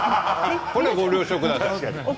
それはご了承ください。